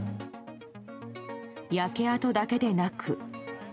焼け跡だけでなく。